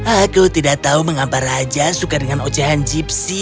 aku tidak tahu mengapa raja suka dengan ocahan jeepsi